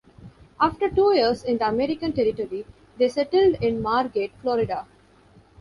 After two years in the American territory, they settled in Margate, Florida.